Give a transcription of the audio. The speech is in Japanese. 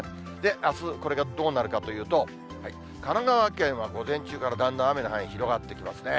あす、これがどうなるかというと、神奈川県は午前中からだんだん雨の範囲、広がってきますね。